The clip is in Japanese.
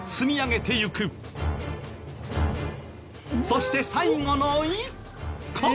そして最後の１個。